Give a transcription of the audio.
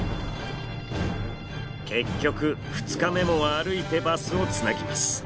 結局２日目も歩いてバスをつなぎます。